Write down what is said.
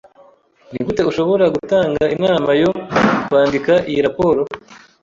Nigute ushobora gutanga inama yo kwandika iyi raporo?